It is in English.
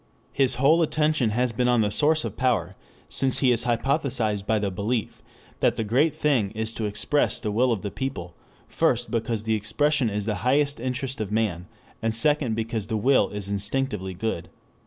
His whole attention has been on the source of power, since he is hypnotized by the belief that the great thing is to express the will of the people, first because expression is the highest interest of man, and second because the will is instinctively good.